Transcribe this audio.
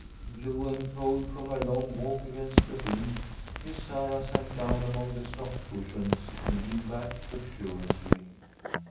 Blue and cold from her long walk against the wind, Miss Sarah sank down among the soft cushions and leaned back luxuriously.